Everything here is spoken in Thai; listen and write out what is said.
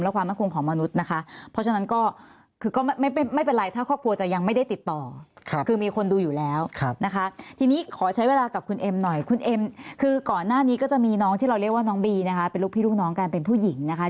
และความรับควรของมนุษย์นะคะ